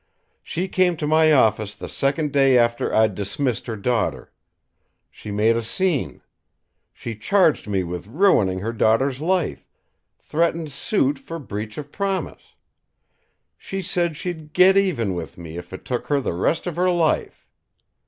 She came to my office the second day after I'd dismissed her daughter. She made a scene. She charged me with ruining her daughter's life, threatened suit for breach of promise. She said she'd 'get even' with me if it took her the rest of her life.